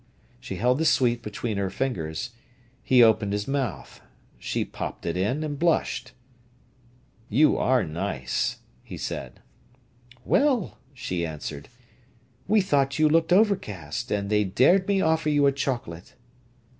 She held the sweet between her fingers. He opened his mouth. She popped it in, and blushed. "You are nice!" he said. "Well," she answered, "we thought you looked overcast, and they dared me offer you a chocolate."